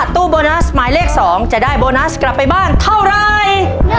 ตู้โบนัสหมายเลข๒จะได้โบนัสกลับไปบ้านเท่าไร